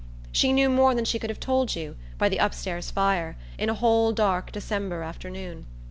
She knew more than she could have told you, by the upstairs fire, in a whole dark December afternoon.